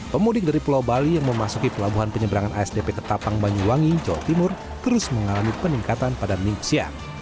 pemudik dari pulau bali yang memasuki pelabuhan penyeberangan asdp ketapang banyuwangi jawa timur terus mengalami peningkatan pada minggu siang